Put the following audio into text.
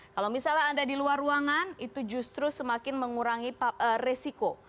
kalau misalnya anda di luar ruangan itu justru semakin mengurangi resiko